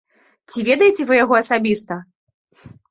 Ці ведаеце вы яго асабіста?